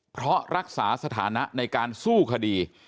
เพราะรักษาสถานะในการสู้คดี